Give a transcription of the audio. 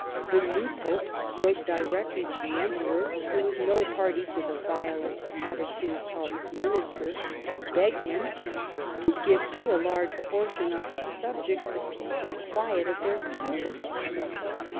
The new Pope wrote directly to the Emperor, who was no party to the violent attitude of his Minister, to beg him " to give to a large portion of his subjects the peace and quiet of their conscience."